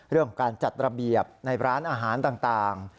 เรื่องของการจัดระเบียบในร้านอาหารต่าง